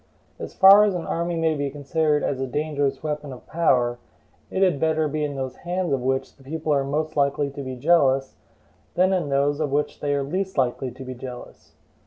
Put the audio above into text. As far as an army may be considered as a dangerous weapon of power, it had better be in those hands of which the people are most likely to be jealous than in those of which they are least likely to be jealous.